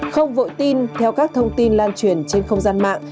không vội tin theo các thông tin lan truyền trên không gian mạng